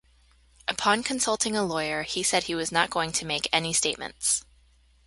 Upon consulting a lawyer, he said he was not going to make any statements.